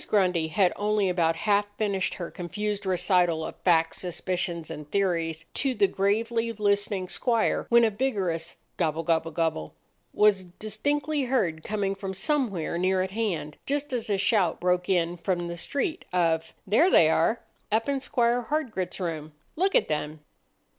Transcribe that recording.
Grundy had only about half finished her confused recital of facts, suspicions, and theories to the gravely listening squire, when a vigorous "Gobble gobble gobble!" was distinctly heard coming from somewhere near at hand, just as a shout broke in from the street of,— "There they are—up in Squire Hardgrit's room! Look at them!"